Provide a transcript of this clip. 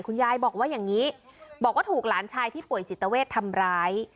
คุณยายบอกว่าอย่างนี้บอกว่าถูกหลานชายที่ป่วยจิตเวททำร้าย